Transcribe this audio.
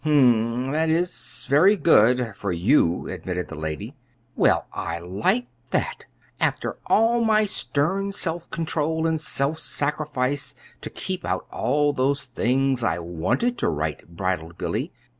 "Hm m; that is very good for you," admitted the lady. "Well, I like that! after all my stern self control and self sacrifice to keep out all those things I wanted to write," bridled Billy.